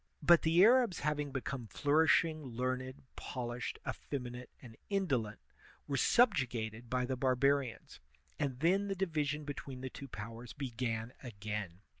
But the Arabs having become flourishing, learned, polished, effeminate, and indolent, were subju gated by the barbarians, and then the division between the two powers began again.